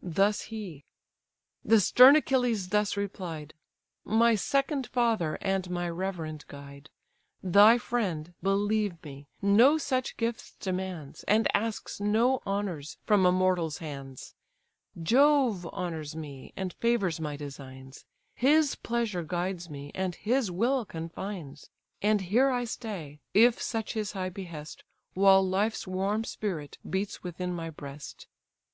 Thus he: the stern Achilles thus replied: "My second father, and my reverend guide: Thy friend, believe me, no such gifts demands, And asks no honours from a mortal's hands; Jove honours me, and favours my designs; His pleasure guides me, and his will confines; And here I stay (if such his high behest) While life's warm spirit beats within my breast.